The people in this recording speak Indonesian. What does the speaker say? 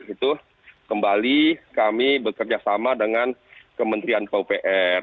itu kembali kami bekerja sama dengan kementerian pupr